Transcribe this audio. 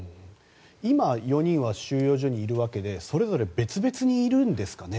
今、４人は収容所にいるわけでそれぞれ別々にいるんですかね？